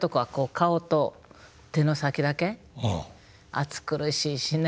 暑苦しいしね。